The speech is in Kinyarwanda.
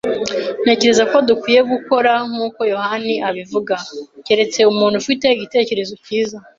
Ntekereza ko dukwiye gukora nkuko yohani abivuga, keretse umuntu ufite igitekerezo cyiza.